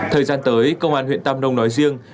thời gian tới công an huyện tam nông nói riêng